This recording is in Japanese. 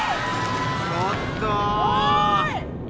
ちょっと。